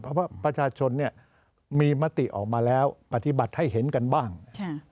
เพราะว่าประชาชนเนี่ยมีมติออกมาแล้วปฏิบัติให้เห็นกันบ้าง